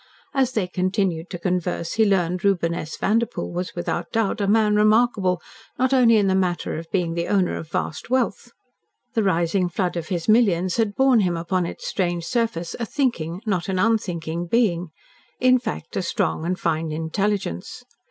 As they continued to converse he learned. Reuben S. Vanderpoel was without doubt a man remarkable not only in the matter of being the owner of vast wealth. The rising flood of his millions had borne him upon its strange surface a thinking, not an unthinking being in fact, a strong and fine intelligence.